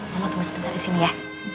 karena tunggu sebentar di sini ya